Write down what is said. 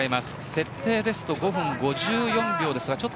設定だと５分５４秒です。